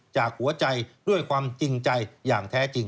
จากหัวใจด้วยความจริงใจอย่างแท้จริง